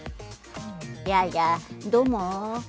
やあやあどうも。